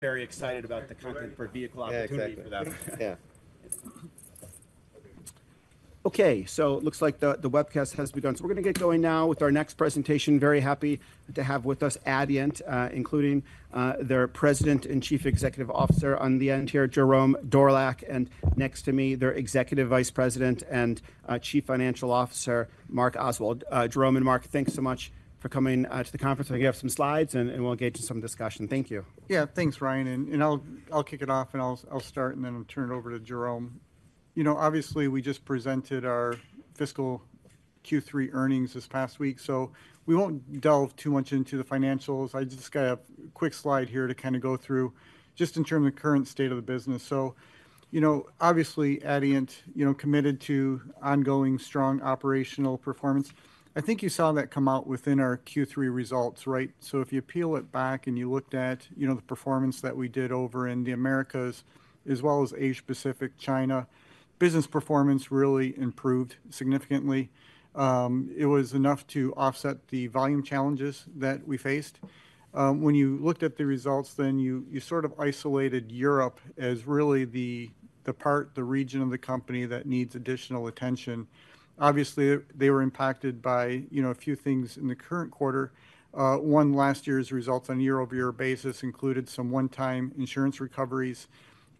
Very excited about the content per vehicle opportunity for that. Yeah, exactly. Yeah. Okay, so looks like the webcast has begun. So we're gonna get going now with our next presentation. Very happy to have with us Adient, including their President and Chief Executive Officer on the end here, Jerome Dorlack, and next to me, their Executive Vice President and Chief Financial Officer, Mark Oswald. Jerome and Mark, thanks so much for coming to the conference. We have some slides, and we'll engage in some discussion. Thank you. Yeah. Thanks, Ryan, and I'll kick it off, and I'll start, and then I'll turn it over to Jerome. You know, obviously, we just presented our fiscal Q3 earnings this past week, so we won't delve too much into the financials. I just got a quick slide here to kinda go through, just in terms of current state of the business. So, you know, obviously, Adient, you know, committed to ongoing strong operational performance. I think you saw that come out within our Q3 results, right? So if you peel it back and you looked at, you know, the performance that we did over in the Americas, as well as Asia-Pacific, China, business performance really improved significantly. It was enough to offset the volume challenges that we faced. When you looked at the results, then you sort of isolated Europe as really the part, the region of the company that needs additional attention. Obviously, they were impacted by, you know, a few things in the current quarter. One, last year's results on a year-over-year basis included some one-time insurance recoveries,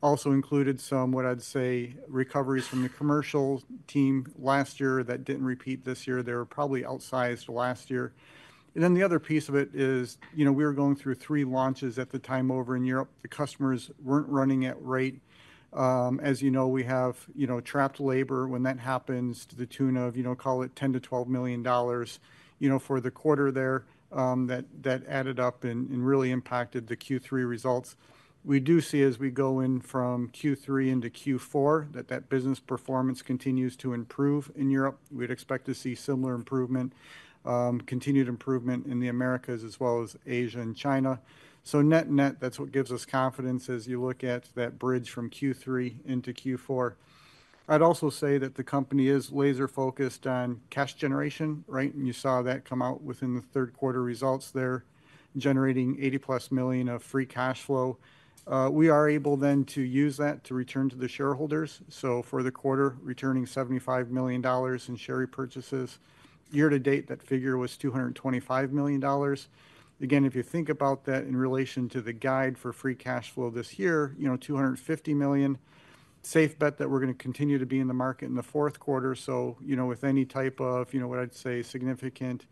also included some, what I'd say, recoveries from the commercial team last year that didn't repeat this year. They were probably outsized last year. And then the other piece of it is, you know, we were going through three launches at the time over in Europe. The customers weren't running at rate. As you know, we have, you know, trapped labor. When that happens to the tune of, you know, call it $10-$12 million, you know, for the quarter there, that added up and really impacted the Q3 results. We do see as we go in from Q3 into Q4, that that business performance continues to improve in Europe. We'd expect to see similar improvement, continued improvement in the Americas as well as Asia and China. So net-net, that's what gives us confidence as you look at that bridge from Q3 into Q4. I'd also say that the company is laser-focused on cash generation, right? You saw that come out within the third quarter results there, generating $80+ million of free cash flow. We are able then to use that to return to the shareholders, so for the quarter, returning $75 million in share repurchases. Year to date, that figure was $225 million. Again, if you think about that in relation to the guide for free cash flow this year, you know, $250 million, safe bet that we're gonna continue to be in the market in the fourth quarter. So, you know, with any type of, you know, what I'd say, significant,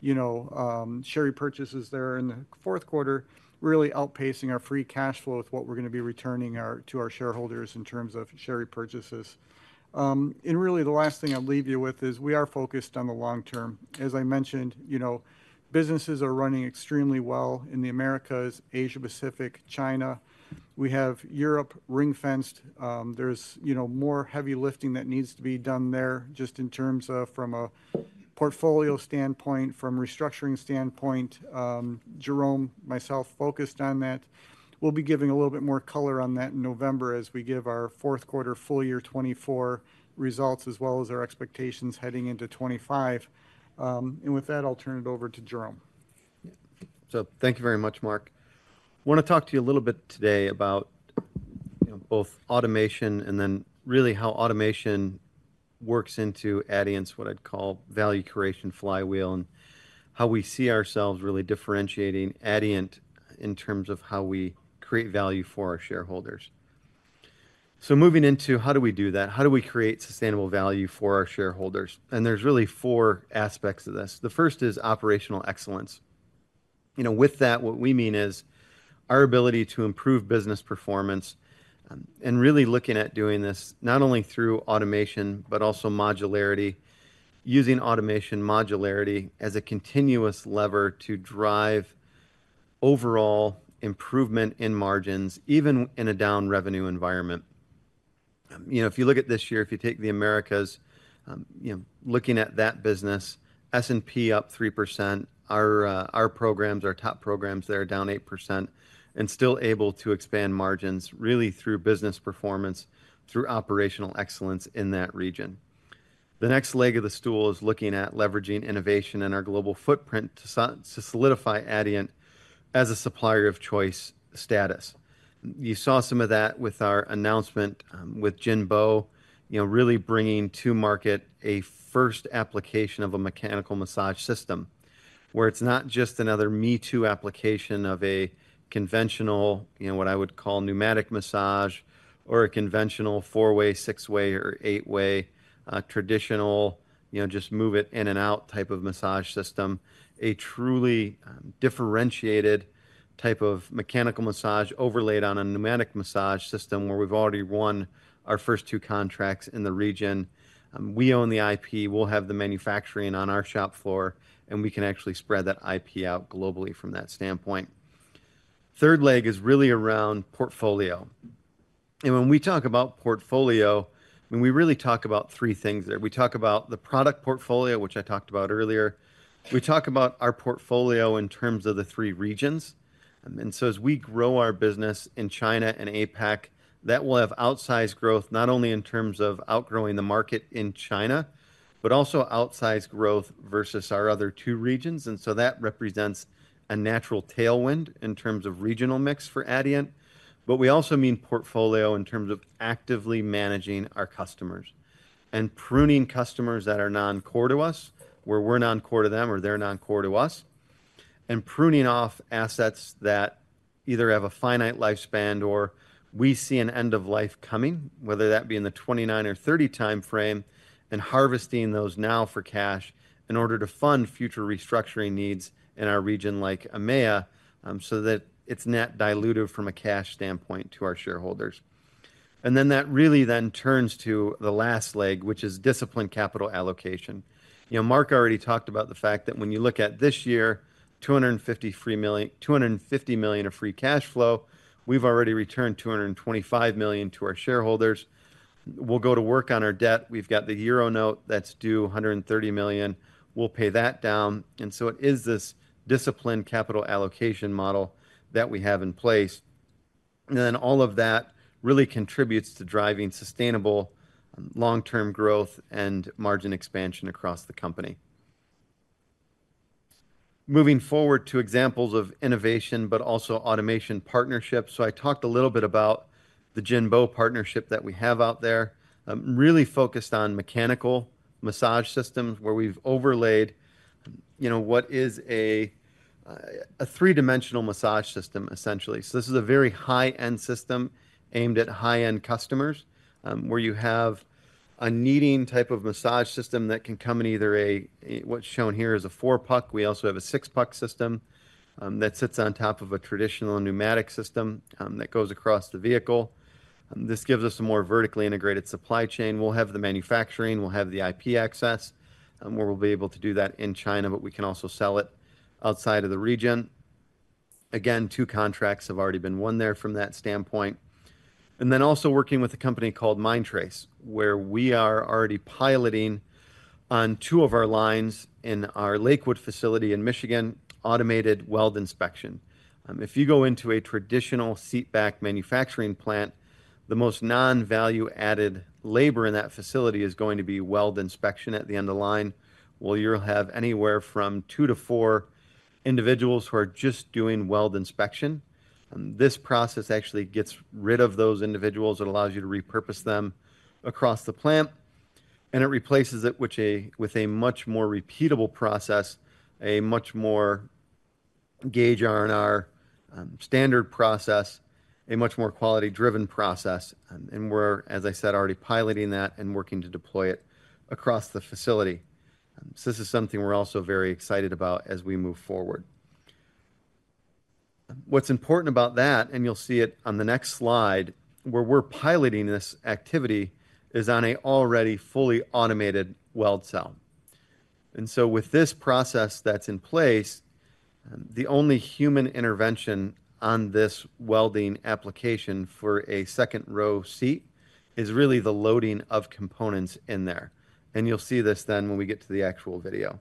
you know, share repurchases there in the fourth quarter, really outpacing our free cash flow with what we're gonna be returning to our shareholders in terms of share repurchases. And really, the last thing I'll leave you with is we are focused on the long term. As I mentioned, you know, businesses are running extremely well in the Americas, Asia-Pacific, China. We have Europe ring-fenced. There's, you know, more heavy lifting that needs to be done there, just in terms of from a portfolio standpoint, from restructuring standpoint, Jerome, myself, focused on that. We'll be giving a little bit more color on that in November as we give our fourth quarter full year 2024 results, as well as our expectations heading into 2025. With that, I'll turn it over to Jerome. So thank you very much, Mark. I wanna talk to you a little bit today about, you know, both automation and then really how automation works into Adient's, what I'd call, value creation flywheel, and how we see ourselves really differentiating Adient in terms of how we create value for our shareholders. So moving into how do we do that? How do we create sustainable value for our shareholders? And there's really four aspects of this. The first is operational excellence. You know, with that, what we mean is our ability to improve business performance, and really looking at doing this not only through automation, but also modularity, using automation modularity as a continuous lever to drive overall improvement in margins, even in a down revenue environment. You know, if you look at this year, if you take the Americas, you know, looking at that business, S&P up 3%. Our our programs, our top programs there are down 8% and still able to expand margins, really through business performance, through operational excellence in that region. The next leg of the stool is looking at leveraging innovation in our global footprint to to solidify Adient as a supplier of choice status. You saw some of that with our announcement, with Jinbei, you know, really bringing to market a first application of a mechanical massage system, where it's not just another me-too application of a conventional, you know, what I would call pneumatic massage, or a conventional four-way, six-way, or eight-way, traditional, you know, just move it in and out type of massage system. A truly differentiated type of mechanical massage overlaid on a pneumatic massage system where we've already won our first two contracts in the region. We own the IP, we'll have the manufacturing on our shop floor, and we can actually spread that IP out globally from that standpoint. Third leg is really around portfolio, and when we talk about portfolio, when we really talk about three things there. We talk about the product portfolio, which I talked about earlier. We talk about our portfolio in terms of the three regions, and so as we grow our business in China and APAC, that will have outsized growth, not only in terms of outgrowing the market in China, but also outsized growth versus our other two regions, and so that represents a natural tailwind in terms of regional mix for Adient. But we also mean portfolio in terms of actively managing our customers and pruning customers that are non-core to us, where we're non-core to them or they're non-core to us, and pruning off assets that either have a finite lifespan or we see an end of life coming, whether that be in the 2029 or 2030 timeframe, and harvesting those now for cash in order to fund future restructuring needs in our region like EMEA, so that it's net dilutive from a cash standpoint to our shareholders. And then that really then turns to the last leg, which is disciplined capital allocation. You know, Mark already talked about the fact that when you look at this year, $250 million of free cash flow, we've already returned $225 million to our shareholders. We'll go to work on our debt. We've got the euro note that's due, 130 million. We'll pay that down. And so it is this disciplined capital allocation model that we have in place. And then all of that really contributes to driving sustainable long-term growth and margin expansion across the company. Moving forward to examples of innovation, but also automation partnerships. So I talked a little bit about the Jinbei partnership that we have out there, really focused on mechanical massage systems, where we've overlaid, you know, what is a three-dimensional massage system, essentially. So this is a very high-end system aimed at high-end customers, where you have a kneading type of massage system that can come in either a, what's shown here is a four-puck. We also have a 6-puck system that sits on top of a traditional pneumatic system that goes across the vehicle. This gives us a more vertically integrated supply chain. We'll have the manufacturing, we'll have the IP access, where we'll be able to do that in China, but we can also sell it outside of the region. Again, 2 contracts have already been won there from that standpoint. And then also working with a company called Mindtrace, where we are already piloting on 2 of our lines in our Lakewood facility in Michigan, automated weld inspection. If you go into a traditional seat back manufacturing plant, the most non-value-added labor in that facility is going to be weld inspection at the end of the line, where you'll have anywhere from 2-4 individuals who are just doing weld inspection. This process actually gets rid of those individuals. It allows you to repurpose them across the plant, and it replaces it with a much more repeatable process, a much more Gauge R&R standard process, a much more quality-driven process. And we're, as I said, already piloting that and working to deploy it across the facility. So this is something we're also very excited about as we move forward. What's important about that, and you'll see it on the next slide, where we're piloting this activity, is on an already fully automated weld cell. And so with this process that's in place, the only human intervention on this welding application for a second-row seat is really the loading of components in there. And you'll see this then when we get to the actual video.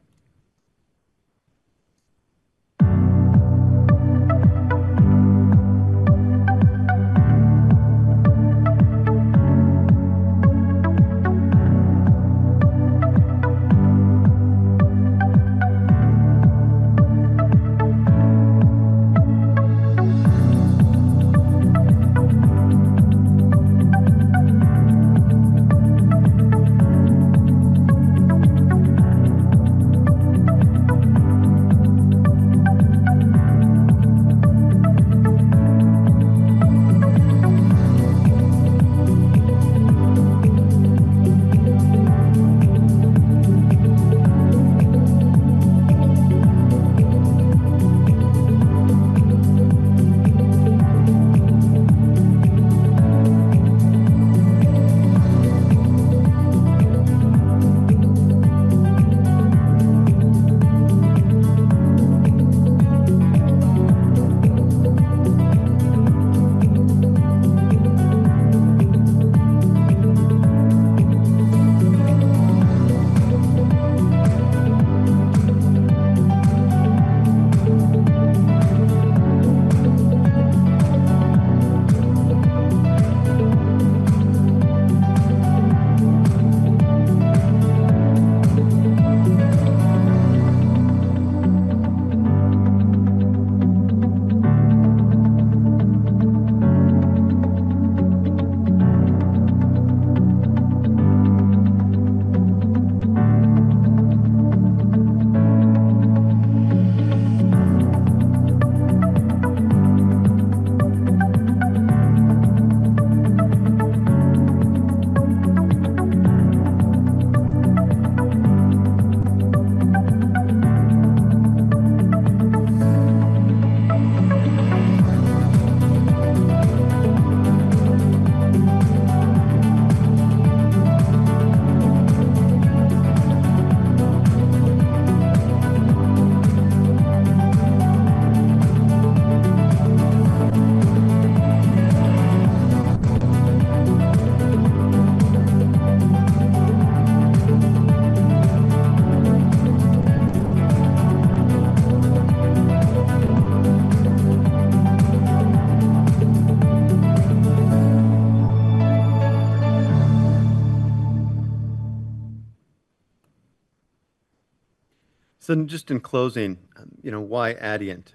So just in closing, you know, why Adient?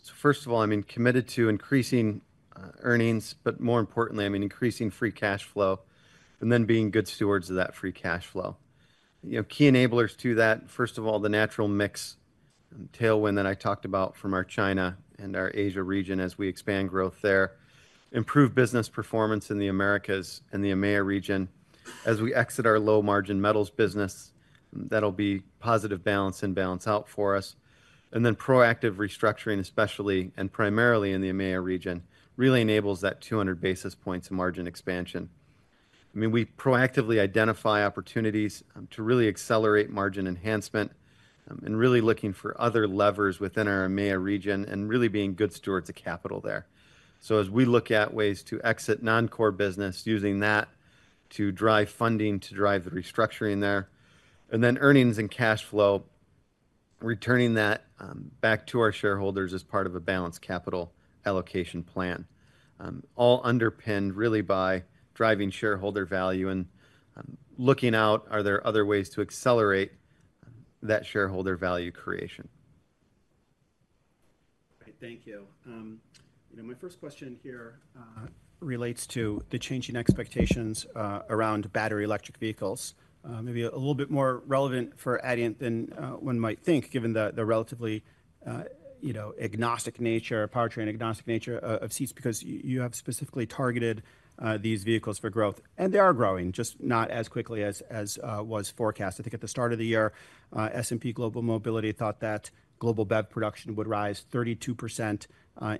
So first of all, I mean, committed to increasing earnings, but more importantly, I mean, increasing free cash flow and then being good stewards of that free cash flow. You know, key enablers to that, first of all, the natural mix and tailwind that I talked about from our China and our Asia region as we expand growth there, improve business performance in the Americas and the EMEA region. As we exit our low-margin metals business, that'll be positive balance and balance out for us. And then proactive restructuring, especially and primarily in the EMEA region, really enables that 200 basis points margin expansion. I mean, we proactively identify opportunities to really accelerate margin enhancement, and really looking for other levers within our EMEA region and really being good stewards of capital there. As we look at ways to exit non-core business, using that to drive funding, to drive the restructuring there, and then earnings and cash flow, returning that, back to our shareholders as part of a balanced capital allocation plan. All underpinned really by driving shareholder value and, looking out, are there other ways to accelerate that shareholder value creation? Right. Thank you. You know, my first question here relates to the changing expectations around battery electric vehicles. Maybe a little bit more relevant for Adient than one might think, given the relatively you know, agnostic nature, powertrain agnostic nature of seats, because you have specifically targeted these vehicles for growth, and they are growing, just not as quickly as was forecast. I think at the start of the year, S&P Global Mobility thought that global BEV production would rise 32%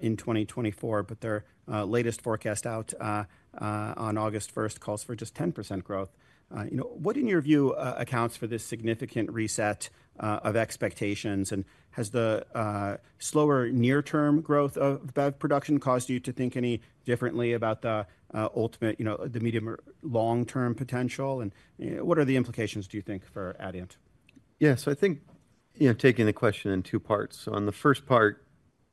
in 2024, but their latest forecast out on August first calls for just 10% growth. You know, what, in your view, accounts for this significant reset of expectations, and has the slower near-term growth of BEV production caused you to think any differently about the ultimate, you know, the medium or long-term potential? And, what are the implications, do you think, for Adient? Yeah. So I think, you know, taking the question in two parts. So on the first part,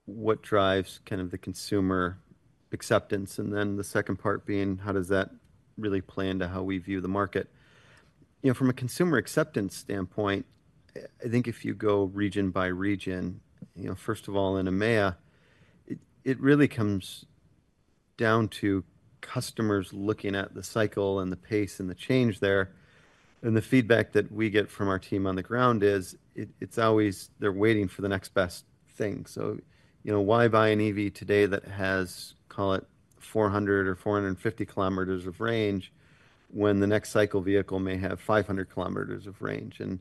what drives kind of the consumer acceptance, and then the second part being, how does that really play into how we view the market? You know, from a consumer acceptance standpoint, I, I think if you go region-by-region, you know, first of all, in EMEA, it, it really comes down to customers looking at the cycle and the pace and the change there. And the feedback that we get from our team on the ground is it, it's always they're waiting for the next best thing. So, you know, why buy an EV today that has, call it, 400 or 450 kilometers of range when the next cycle vehicle may have 500 kilometers of range? And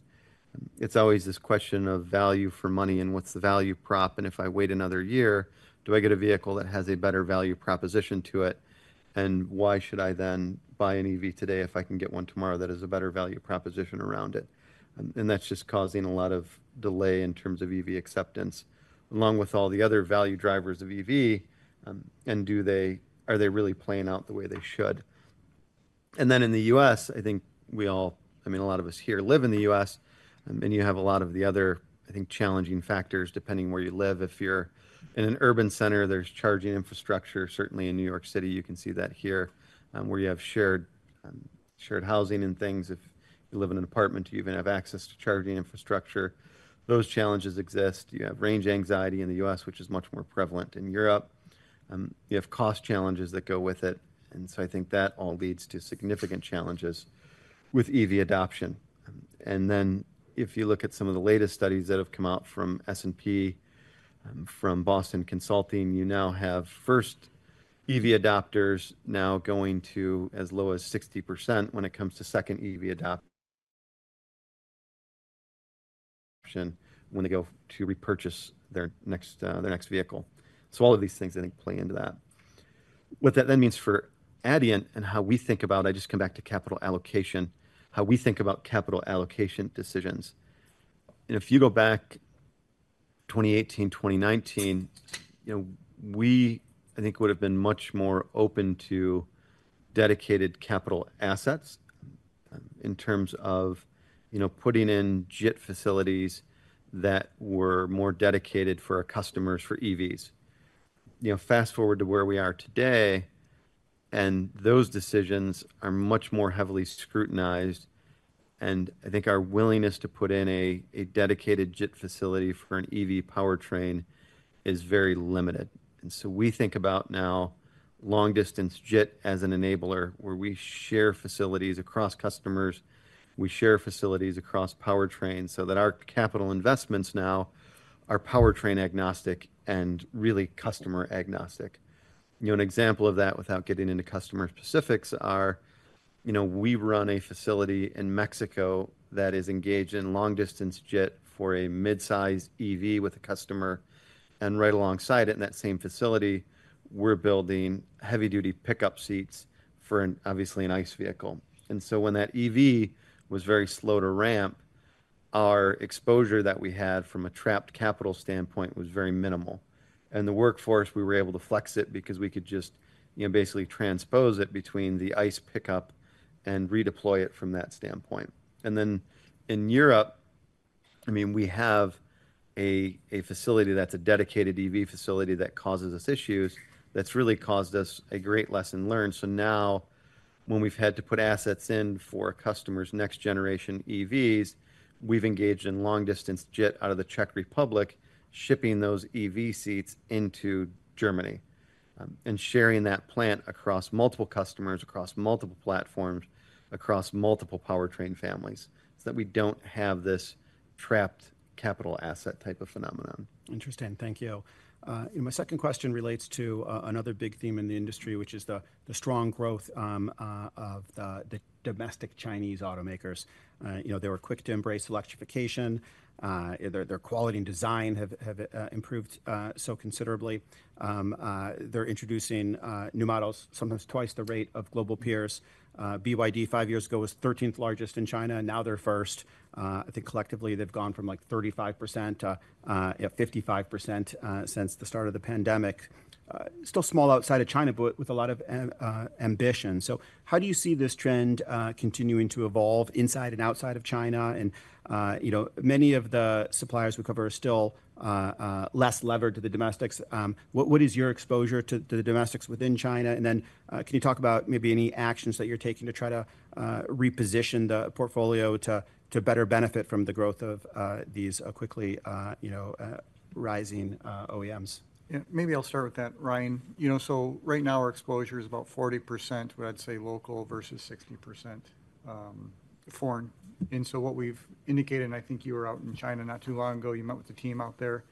it's always this question of value for money and what's the value prop, and if I wait another year, do I get a vehicle that has a better value proposition to it? And why should I then buy an EV today if I can get one tomorrow that has a better value proposition around it? And, and that's just causing a lot of delay in terms of EV acceptance, along with all the other value drivers of EV, and do they-- are they really playing out the way they should? And then in the U.S., I think we all... I mean, a lot of us here live in the U.S., and you have a lot of the other, I think, challenging factors depending on where you live. If you're in an urban center, there's charging infrastructure. Certainly in New York City, you can see that here, where you have shared, shared housing and things. If you live in an apartment, you even have access to charging infrastructure. Those challenges exist. You have range anxiety in the U.S., which is much more prevalent in Europe, you have cost challenges that go with it, and so I think that all leads to significant challenges with EV adoption. And then if you look at some of the latest studies that have come out from S&P, from Boston Consulting, you now have first EV adopters now going to as low as 60% when it comes to second EV adoption, when they go to repurchase their next, their next vehicle. So all of these things, I think, play into that. What that then means for Adient and how we think about... I just come back to capital allocation, how we think about capital allocation decisions. If you go back 2018, 2019, you know, we, I think, would have been much more open to dedicated capital assets, in terms of, you know, putting in JIT facilities that were more dedicated for our customers for EVs. You know, fast-forward to where we are today, and those decisions are much more heavily scrutinized, and I think our willingness to put in a, a dedicated JIT facility for an EV powertrain is very limited. And so we think about now long-distance JIT as an enabler, where we share facilities across customers, we share facilities across powertrains, so that our capital investments now are powertrain-agnostic and really customer-agnostic. You know, an example of that, without getting into customer specifics, are, you know, we run a facility in Mexico that is engaged in long-distance JIT for a mid-size EV with a customer, and right alongside it, in that same facility, we're building heavy-duty pickup seats for an, obviously, an ICE vehicle. And so when that EV was very slow to ramp, our exposure that we had from a trapped capital standpoint was very minimal. And the workforce, we were able to flex it because we could just, you know, basically transpose it between the ICE pickup and redeploy it from that standpoint. And then in Europe, I mean, we have a, a facility that's a dedicated EV facility that causes us issues, that's really caused us a great lesson learned. So now... When we've had to put assets in for a customer's next generation EVs, we've engaged in long-distance JIT out of the Czech Republic, shipping those EV seats into Germany, and sharing that plant across multiple customers, across multiple platforms, across multiple powertrain families, so that we don't have this trapped capital asset type of phenomenon. Interesting. Thank you. And my second question relates to another big theme in the industry, which is the strong growth of the domestic Chinese automakers. You know, they were quick to embrace electrification. Their quality and design have improved so considerably. They're introducing new models, sometimes twice the rate of global peers. BYD, five years ago, was thirteenth largest in China, and now they're first. I think collectively, they've gone from, like, 35% to, yeah, 55%, since the start of the pandemic. Still small outside of China, but with a lot of ambition. So how do you see this trend continuing to evolve inside and outside of China? And, you know, many of the suppliers we cover are still less levered to the domestics. What is your exposure to the domestics within China? And then, can you talk about maybe any actions that you're taking to try to reposition the portfolio to better benefit from the growth of these quickly, you know, rising OEMs? Yeah, maybe I'll start with that, Ryan. You know, so right now, our exposure is about 40% what I'd say local versus 60%, foreign. And so what we've indicated, and I think you were out in China not too long ago, you met with the team out there.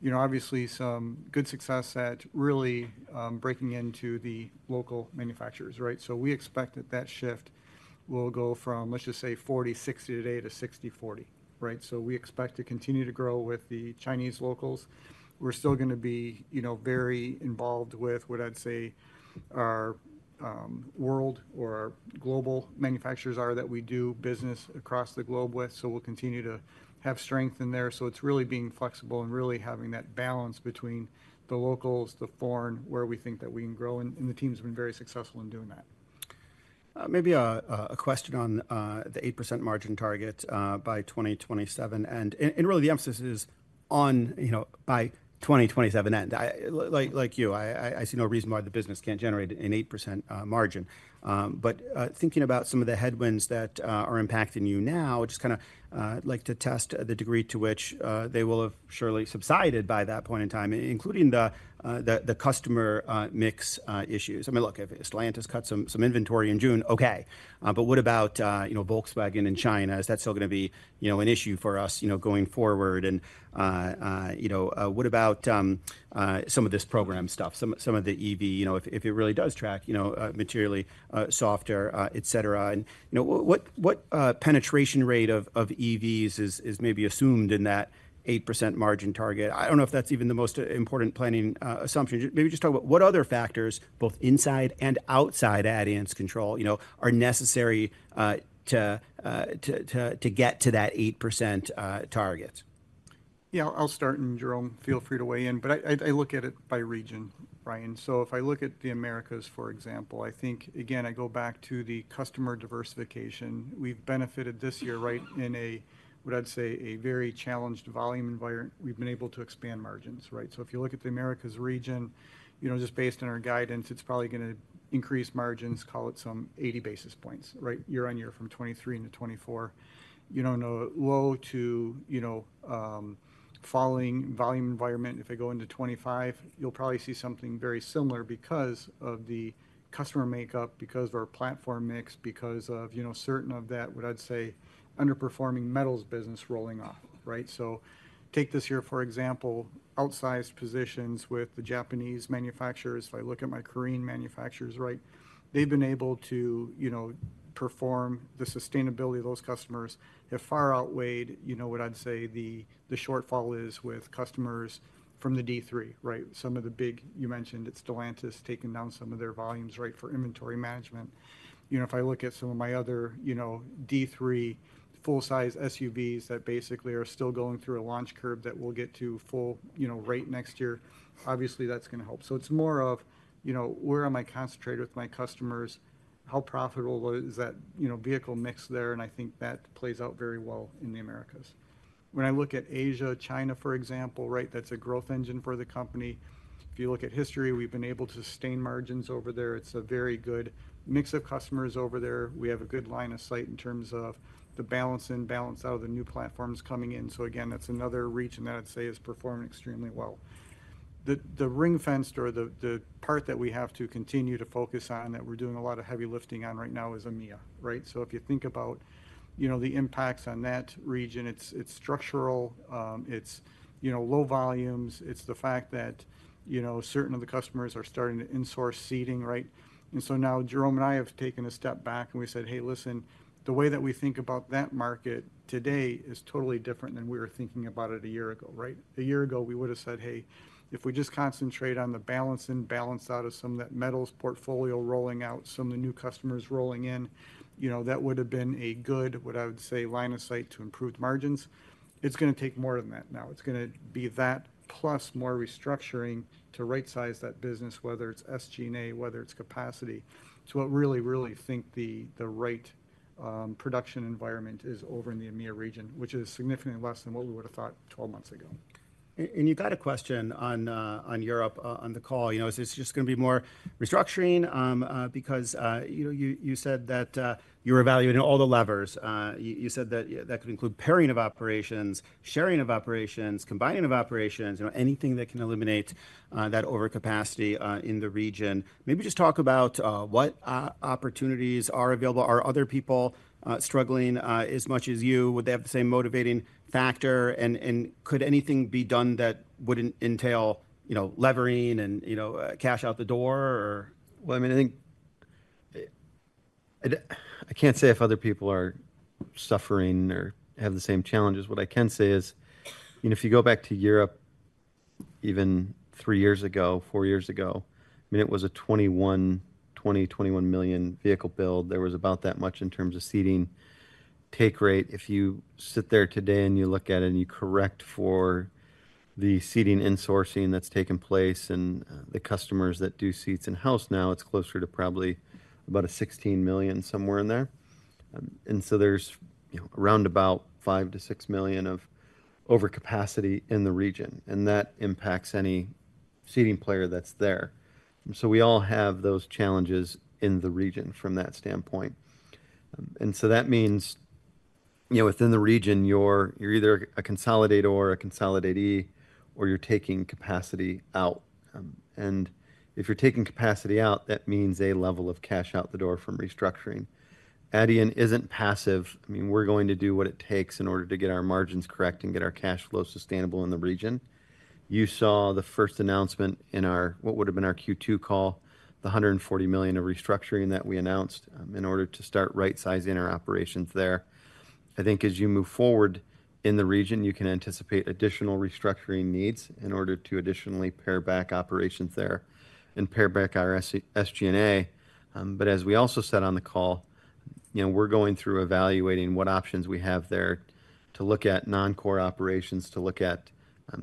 You know, obviously some good success at really breaking into the local manufacturers, right? So we expect that that shift will go from, let's just say, 40/60 today to 60/40, right? So we expect to continue to grow with the Chinese locals. We're still gonna be, you know, very involved with what I'd say our world or our global manufacturers are that we do business across the globe with. So we'll continue to have strength in there. So it's really being flexible and really having that balance between the locals, the foreign, where we think that we can grow, and the team's been very successful in doing that. Maybe a question on the 8% margin target by 2027. Really, the emphasis is on, you know, by 2027. And like you, I see no reason why the business can't generate an 8% margin. But thinking about some of the headwinds that are impacting you now, just kinda like to test the degree to which they will have surely subsided by that point in time, including the customer mix issues. I mean, look, if Stellantis cut some inventory in June, okay, but what about, you know, Volkswagen in China? Is that still gonna be, you know, an issue for us, you know, going forward? You know, what about some of this program stuff, some of the EV, you know, if it really does track, you know, materially softer, et cetera. You know, what penetration rate of EVs is maybe assumed in that 8% margin target? I don't know if that's even the most important planning assumption. Maybe just talk about what other factors, both inside and outside Adient's control, you know, are necessary to get to that 8% target? Yeah, I'll start, and Jerome, feel free to weigh in, but I look at it by region, Ryan. So if I look at the Americas, for example, I think, again, I go back to the customer diversification. We've benefited this year, right, in a, what I'd say, a very challenged volume environment. We've been able to expand margins, right? So if you look at the Americas region, you know, just based on our guidance, it's probably gonna increase margins, call it some 80 basis points, right, year-over-year from 2023 to 2024. You know, in a low to, you know, falling volume environment, if I go into 2025, you'll probably see something very similar because of the customer makeup, because of our platform mix, because of, you know, certain of that, what I'd say, underperforming metals business rolling off, right? So take this year, for example, outsized positions with the Japanese manufacturers. If I look at my Korean manufacturers, right, they've been able to, you know, perform. The sustainability of those customers have far outweighed, you know, what I'd say the, the shortfall is with customers from the D3, right? Some of the big... You mentioned it's Stellantis taking down some of their volumes, right, for inventory management. You know, if I look at some of my other, you know, D3 full-size SUVs that basically are still going through a launch curve that will get to full, you know, rate next year, obviously, that's gonna help. So it's more of, you know, where am I concentrated with my customers? How profitable is that, you know, vehicle mix there? And I think that plays out very well in the Americas. When I look at Asia, China, for example, right, that's a growth engine for the company. If you look at history, we've been able to sustain margins over there. It's a very good mix of customers over there. We have a good line of sight in terms of the balance in, balance out of the new platforms coming in. So again, that's another region that I'd say is performing extremely well. The ring-fenced or the part that we have to continue to focus on, that we're doing a lot of heavy lifting on right now is EMEA, right? So if you think about, you know, the impacts on that region, it's structural, you know, low volumes, it's the fact that, you know, certain of the customers are starting to in-source seating, right? And so now Jerome and I have taken a step back, and we said, "Hey, listen, the way that we think about that market today is totally different than we were thinking about it a year ago," right? A year ago, we would have said, "Hey, if we just concentrate on the balance and balance out of some of that metals portfolio, rolling out some of the new customers rolling in," you know, that would have been a good, what I would say, line of sight to improved margins. It's gonna take more than that now. It's gonna be that plus more restructuring to rightsize that business, whether it's SG&A, whether it's capacity. So I really, really think the right production environment is over in the EMEA region, which is significantly less than what we would have thought 12 months ago. ... And you got a question on Europe on the call. You know, is this just gonna be more restructuring? Because, you know, you said that you were evaluating all the levers. You said that that could include paring of operations, sharing of operations, combining of operations, you know, anything that can eliminate that overcapacity in the region. Maybe just talk about what opportunities are available. Are other people struggling as much as you? Would they have the same motivating factor? And could anything be done that wouldn't entail, you know, levering and, you know, cash out the door, or? Well, I mean, I think, I can't say if other people are suffering or have the same challenges. What I can say is, you know, if you go back to Europe, even three years ago, four years ago, I mean, it was a 21, 20, 21 million vehicle build. There was about that much in terms of seating take rate. If you sit there today and you look at it, and you correct for the seating insourcing that's taken place and, the customers that do seats in-house now, it's closer to probably about a 16 million, somewhere in there. And so there's, you know, around about 5-6 million of overcapacity in the region, and that impacts any seating player that's there. So we all have those challenges in the region from that standpoint. So that means, you know, within the region, you're, you're either a consolidator or a consolidatee, or you're taking capacity out. And if you're taking capacity out, that means a level of cash out the door from restructuring. Adient isn't passive. I mean, we're going to do what it takes in order to get our margins correct and get our cash flow sustainable in the region. You saw the first announcement in our... what would've been our Q2 call, the $140 million of restructuring that we announced, in order to start right-sizing our operations there. I think as you move forward in the region, you can anticipate additional restructuring needs in order to additionally pare back operations there and pare back our SG&A. But as we also said on the call, you know, we're going through evaluating what options we have there to look at non-core operations, to look at,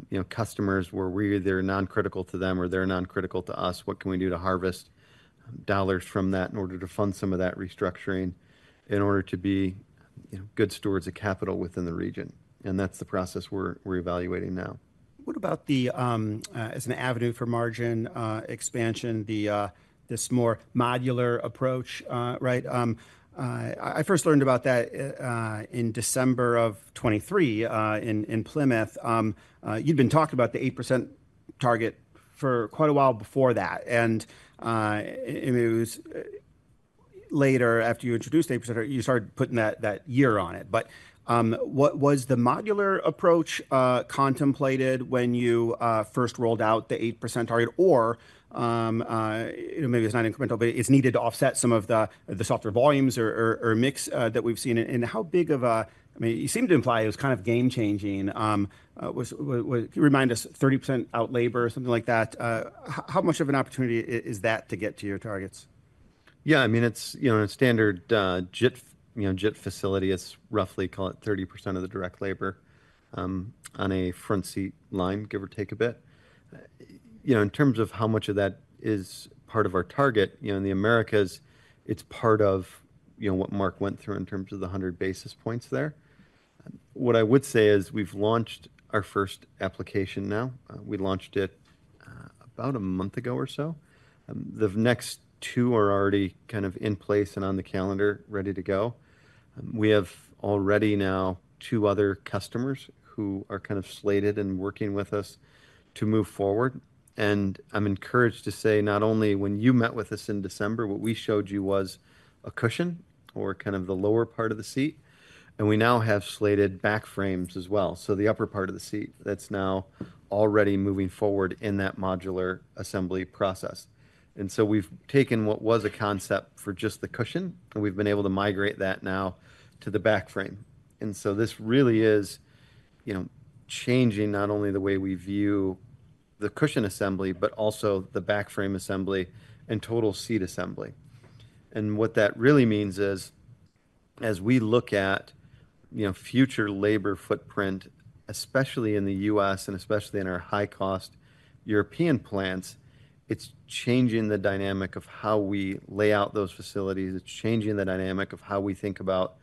you know, customers where we're either non-critical to them or they're non-critical to us. What can we do to harvest dollars from that in order to fund some of that restructuring, in order to be, you know, good stewards of capital within the region? And that's the process we're evaluating now. What about the, as an avenue for margin, expansion, the, this more modular approach, right? I first learned about that, in December of 2023, in Plymouth. You'd been talking about the 8% target for quite a while before that, and, it was, later, after you introduced the 8%, you started putting that, that year on it. But, what... Was the modular approach, contemplated when you, first rolled out the 8% target? Or, you know, maybe it's not incremental, but it's needed to offset some of the, the softer volumes or, or, mix, that we've seen. And how big of a-- I mean, you seemed to imply it was kind of game changing. Remind us, 30% out labor or something like that? How much of an opportunity is that to get to your targets? Yeah, I mean, it's, you know, in a standard JIT, you know, JIT facility, it's roughly, call it 30% of the direct labor on a front seat line, give or take a bit. You know, in terms of how much of that is part of our target, you know, in the Americas, it's part of, you know, what Mark went through in terms of the 100 basis points there. What I would say is we've launched our first application now. We launched it about a month ago or so. The next two are already kind of in place and on the calendar, ready to go. We have already now two other customers who are kind of slated and working with us to move forward. I'm encouraged to say, not only when you met with us in December, what we showed you was a cushion or kind of the lower part of the seat, and we now have slated back frames as well, so the upper part of the seat that's now already moving forward in that modular assembly process. We've taken what was a concept for just the cushion, and we've been able to migrate that now to the back frame. This really is, you know, changing not only the way we view the cushion assembly, but also the back frame assembly and total seat assembly. What that really means is, as we look at, you know, future labor footprint, especially in the U.S. and especially in our high-cost European plants, it's changing the dynamic of how we lay out those facilities. It's changing the dynamic of how we think about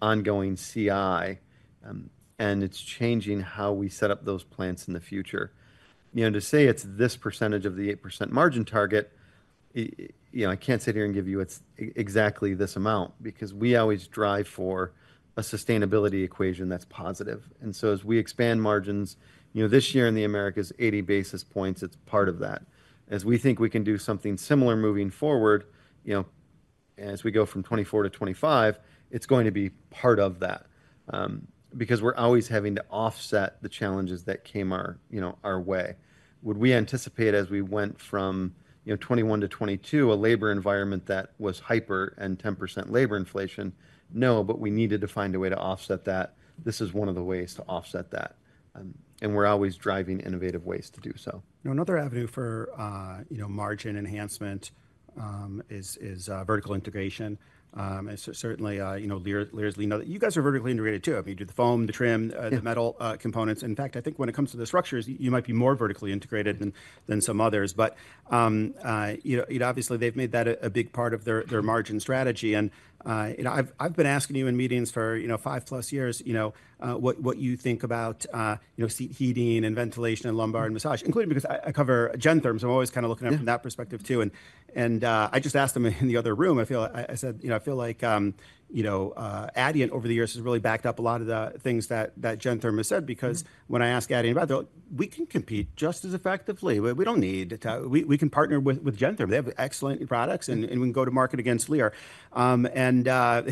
ongoing CI, and it's changing how we set up those plants in the future. You know, to say it's this percentage of the 8% margin target, you know, I can't sit here and give you it's exactly this amount, because we always drive for a sustainability equation that's positive. And so, as we expand margins, you know, this year in the Americas, 80 basis points, it's part of that. As we think we can do something similar moving forward, you know, as we go from 2024 to 2025, it's going to be part of that, because we're always having to offset the challenges that came our, you know, our way. Would we anticipate as we went from, you know, 2021 to 2022, a labor environment that was hyper and 10% labor inflation? No, but we needed to find a way to offset that. This is one of the ways to offset that, and we're always driving innovative ways to do so. You know, another avenue for, you know, margin enhancement, is vertical integration. And so certainly, you know, Lear's lean. You guys are vertically integrated, too. I mean, you do the foam, the trim, Yeah... the metal components. In fact, I think when it comes to the structures, you might be more vertically integrated than some others. But, you know, obviously, they've made that a big part of their margin strategy. And, you know, I've been asking you in meetings for, you know, 5+ years, you know, what you think about, you know, seat heating and ventilation and lumbar and massage, including because I cover Gentherm, so I'm always kinda looking at it- Yeah... from that perspective, too. And, and, I just asked them in the other room. I feel like I, I said, "You know, I feel like, you know, Adient over the years has really backed up a lot of the things that, that Gentherm has said," because when I ask Adient about it, "We can compete just as effectively. We, we don't need to. We, we can partner with, with Gentherm. They have excellent products, and, and we can go to market against Lear." And,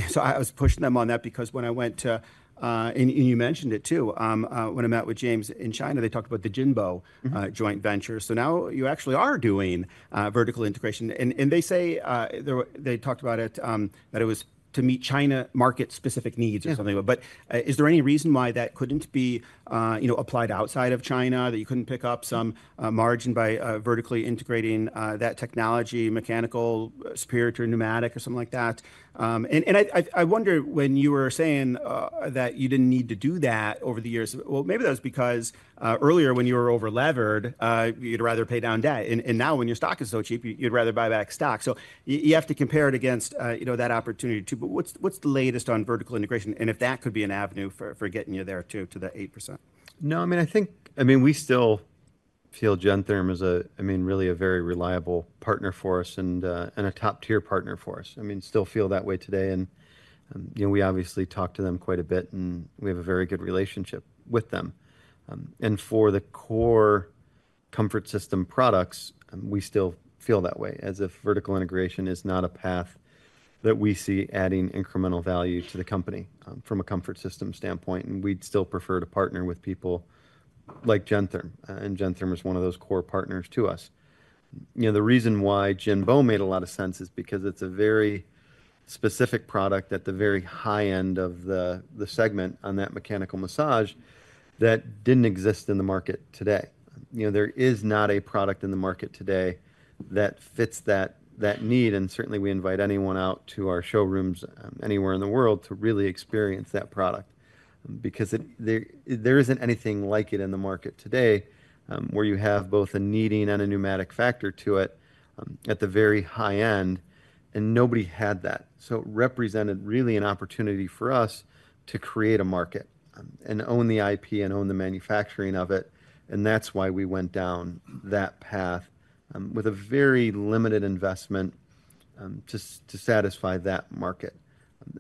so I was pushing them on that because when I went to... And, and you mentioned it, too, when I met with James in China, they talked about the Jinbei- Mm-hmm... joint venture. So now you actually are doing vertical integration. And they say they talked about it that it was to meet China market-specific needs or something. Yeah. But, is there any reason why that couldn't be, you know, applied outside of China, that you couldn't pick up some margin by vertically integrating that technology, mechanical, electrical, pneumatic, or something like that? And I wonder when you were saying that you didn't need to do that over the years, well, maybe that was because earlier, when you were overleveraged, you'd rather pay down debt. And now when your stock is so cheap, you'd rather buy back stock. So you have to compare it against, you know, that opportunity, too. But what's the latest on vertical integration, and if that could be an avenue for getting you there, too, to the 8%? No, I mean, I think... I mean, we still feel Gentherm is a, I mean, really a very reliable partner for us and, and a top-tier partner for us. I mean, still feel that way today, and, you know, we obviously talk to them quite a bit, and we have a very good relationship with them. And for the core comfort system products, we still feel that way, as if vertical integration is not a path that we see adding incremental value to the company, from a comfort system standpoint, and we'd still prefer to partner with people like Gentherm, and Gentherm is one of those core partners to us. You know, the reason why Jinbei made a lot of sense is because it's a very specific product at the very high end of the segment on that mechanical massage that didn't exist in the market today. You know, there is not a product in the market today that fits that need, and certainly, we invite anyone out to our showrooms anywhere in the world to really experience that product. Because there isn't anything like it in the market today, where you have both a kneading and a pneumatic factor to it at the very high end, and nobody had that. So it represented really an opportunity for us to create a market, and own the IP and own the manufacturing of it, and that's why we went down that path, with a very limited investment, to satisfy that market.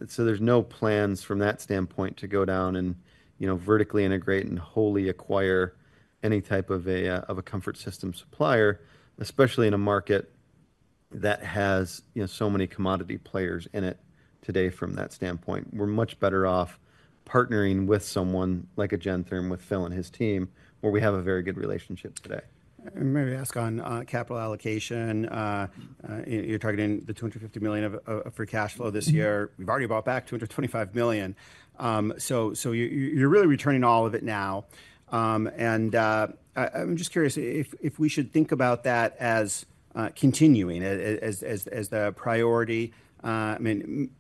So there's no plans from that standpoint to go down and, you know, vertically integrate and wholly acquire any type of a, of a comfort system supplier, especially in a market that has, you know, so many commodity players in it today from that standpoint. We're much better off partnering with someone like a Gentherm, with Phil and his team, where we have a very good relationship today. May I ask on capital allocation, you're targeting the $250 million of free cash flow this year? Mm-hmm. You've already bought back $225 million. So you're really returning all of it now. And I'm just curious if we should think about that as continuing as the priority. I mean,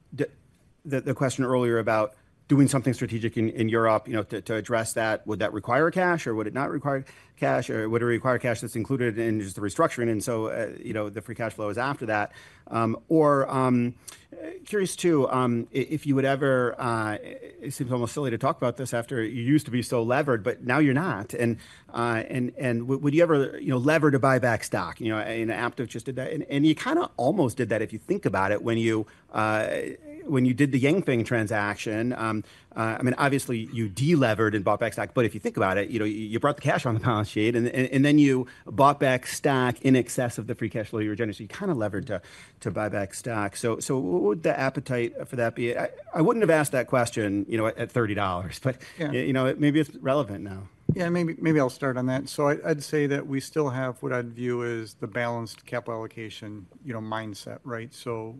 the question earlier about doing something strategic in Europe, you know, to address that, would that require cash, or would it not require cash, or would it require cash that's included in just the restructuring, and so you know, the free cash flow is after that? Or curious, too, if you would ever... It seems almost silly to talk about this after you used to be so levered, but now you're not. And would you ever, you know, lever to buy back stock? You know, and Aptiv just did that. You kinda almost did that, if you think about it, when you did the Yanfeng transaction, I mean, obviously, you delevered and bought back stock. But if you think about it, you know, you brought the cash on the balance sheet, and then you bought back stock in excess of the free cash flow you were generating. So you kind of levered to buy back stock. So what would the appetite for that be? I wouldn't have asked that question, you know, at $30, but- Yeah... you know, maybe it's relevant now. Yeah, maybe, maybe I'll start on that. So I'd, I'd say that we still have what I'd view as the balanced capital allocation, you know, mindset, right? So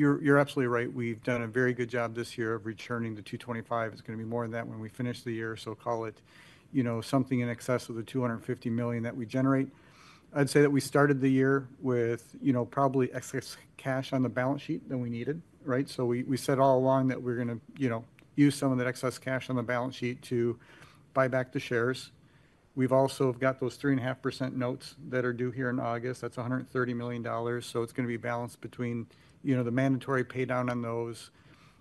you're, you're absolutely right. We've done a very good job this year of returning the $225. It's gonna be more than that when we finish the year, so call it, you know, something in excess of the $250 million that we generate. I'd say that we started the year with, you know, probably excess cash on the balance sheet than we needed, right? So we, we said all along that we're gonna, you know, use some of that excess cash on the balance sheet to buy back the shares. We've also got those 3.5% notes that are due here in August. That's $130 million, so it's gonna be balanced between, you know, the mandatory paydown on those.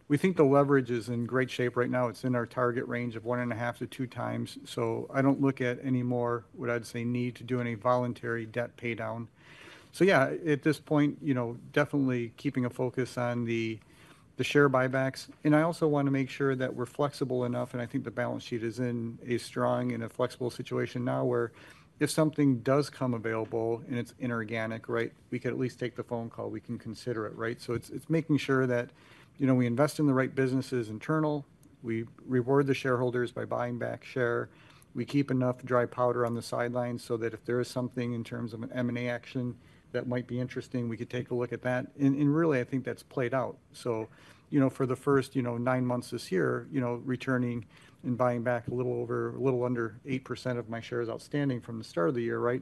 We think the leverage is in great shape right now. It's in our target range of 1.5-2 times, so I don't look at any more, what I'd say, need to do any voluntary debt paydown. So yeah, at this point, you know, definitely keeping a focus on the, the share buybacks. And I also want to make sure that we're flexible enough, and I think the balance sheet is in a strong and a flexible situation now, where if something does come available and it's inorganic, right, we can at least take the phone call. We can consider it, right? So it's making sure that, you know, we invest in the right businesses internal, we reward the shareholders by buying back share, we keep enough dry powder on the sidelines so that if there is something in terms of an M&A action that might be interesting, we could take a look at that. And really, I think that's played out. So, you know, for the first, you know, nine months this year, you know, returning and buying back a little over, a little under 8% of my shares outstanding from the start of the year, right?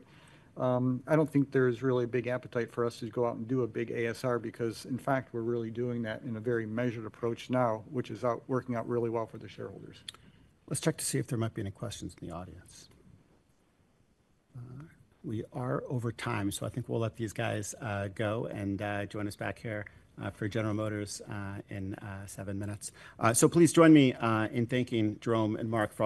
I don't think there's really a big appetite for us to go out and do a big ASR because, in fact, we're really doing that in a very measured approach now, which is working out really well for the shareholders. Let's check to see if there might be any questions in the audience. We are over time, so I think we'll let these guys go and join us back here for General Motors in seven minutes. So please join me in thanking Jerome and Mark for all their-